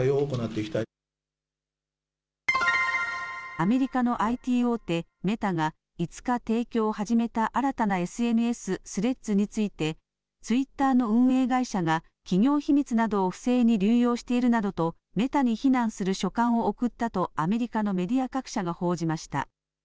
アメリカのＩＴ大手メタが５日、提供を始めた新たなＳＮＳ、スレッズについてツイッターの運営会社が企業秘密などを不正に流用しているなどとメタに非難する書簡を送ったとアメリカのメディア各社が報じました。